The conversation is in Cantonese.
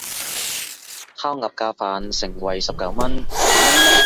烤鴨架飯，盛惠十九文